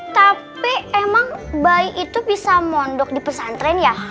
tapi emang bayi itu bisa mondok di pesantren ya